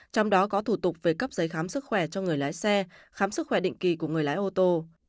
trong đó có thủ tục về cấp giấy khám sức khỏe cho người lái xe khám sức khỏe định kỳ của người lái ô tô